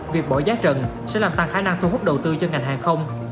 việc bỏ giá trần sẽ làm tăng khả năng thu hút đầu tư cho ngành hàng không